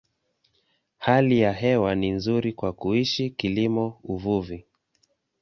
Hali ya hewa ni nzuri kwa kuishi, kilimo, uvuvi.